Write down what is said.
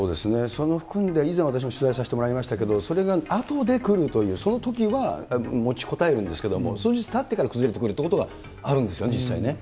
その、以前にも取材されていただきましたけれども、それがあとで来るっていう、そのときは、もちこたえるんですけれども、数日たってから崩れるということがあるんですよね、実際ね。